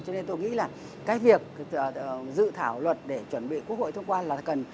cho nên tôi nghĩ là cái việc dự thảo luật để chuẩn bị quốc hội thông qua là cần